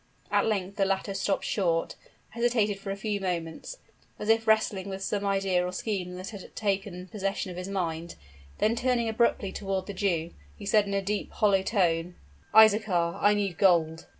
At length the latter stopped short hesitated for a few moments, as if wrestling with some idea or scheme that had taken possession of his mind; then turning abruptly toward the Jew, he said in a deep, hollow tone "Isaachar, I need gold!"